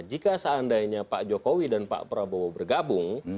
jika seandainya pak jokowi dan pak prabowo bergabung